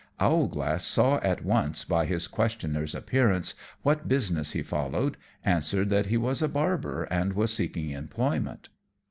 Owlglass saw at once, by his questioner's appearance, what business he followed, answered that he was a barber and was seeking employment.